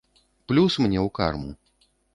Плюс мне ў карму.